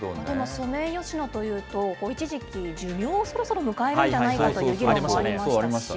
ソメイヨシノというと、一時期、寿命をそろそろ迎えるんじゃないかという議論もありましたよね。